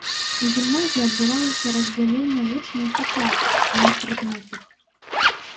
У гімназіі адбывалася раздзяленне вучняў па класах, а не прадметах.